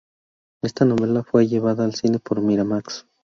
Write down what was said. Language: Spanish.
Esta novela fue llevada al cine por Miramax.